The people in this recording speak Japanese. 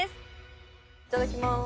いただきます！